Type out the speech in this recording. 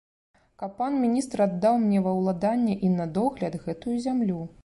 Каб пан міністр аддаў мне ва ўладанне і на догляд гэтую зямлю.